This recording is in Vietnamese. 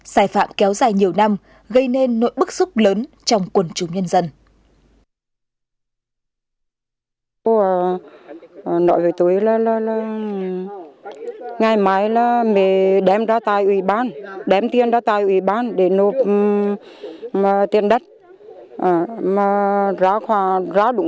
xài phạm kéo dài nhiều năm gây nên nội bộ địa chính xã yêu cầu đóng nhiều khoản tiền khác nhau để có thể được làm thủ tục cấp sổ đỏ